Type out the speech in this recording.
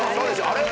あれ？